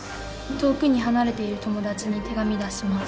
遠くに離れている友達に手紙出します。